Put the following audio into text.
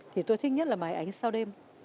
thì tôi thích nhất là bài ảnh sao đêm